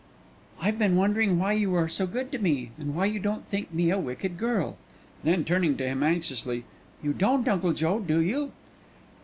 "I've been wondering why you are so good to me, and why you don't think me a wicked girl." Then, turning to him anxiously, "You don't, Uncle Joe, do you?"